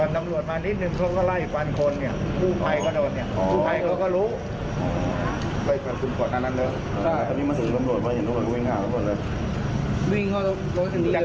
ตำรวจเลยมันก็ฟันแล้วมันก็ไล่ฟันตำรวจแล้ว